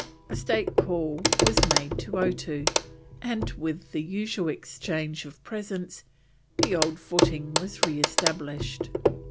A state call was made on Otoo, and with the usual exchange of presents the old footing was re established.